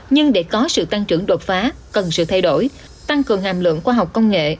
nhưng để có sự tăng trưởng đột phá cần sự thay đổi tăng cường hàm lượng khoa học công nghệ